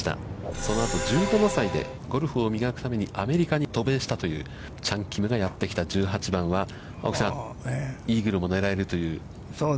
そのあと、１５歳でゴルフを磨くために渡米したというチャン・キムがやってきた１８番は、青木さん、イーグルも狙えるという。